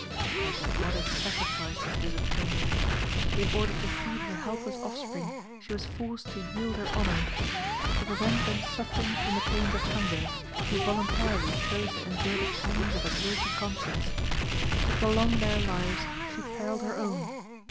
But at what a sacrifice was this obtained! In order to feed her helpless offspring she was forced to yield her honor; to prevent them suffering from the pains of hunger, she voluntarily chose to endure the pangs of a guilty conscience; to prolong their lives she periled her own.